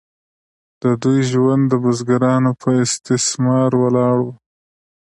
د دوی ژوند د بزګرانو په استثمار ولاړ و.